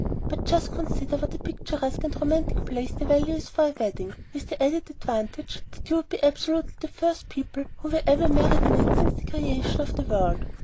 But just consider what a picturesque and romantic place the Valley is for a wedding, with the added advantage that you would be absolutely the first people who were ever married in it since the creation of the world!